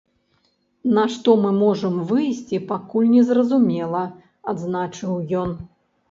На што мы можам выйсці, пакуль незразумела, адзначыў ён.